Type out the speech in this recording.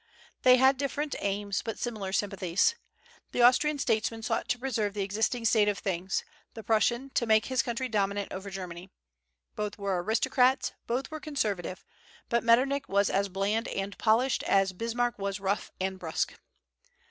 They had different aims, but similar sympathies. The Austrian statesman sought to preserve the existing state of things; the Prussian, to make his country dominant over Germany. Both were aristocrats, and both were conservative; but Metternich was as bland and polished as Bismarck was rough and brusque.